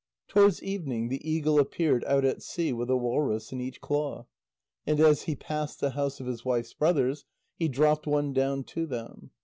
Towards evening, the eagle appeared out at sea, with a walrus in each claw, and as he passed the house of his wife's brothers, he dropped one down to them.